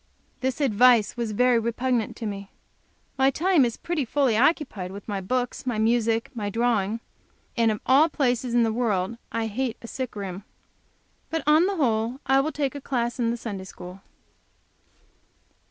This advice was very repugnant to me. My time is pretty fully occupied with my books, my music and my drawing. And of all places in the world I hate a sick room. But, on the whole, I will take a class in the Sunday school.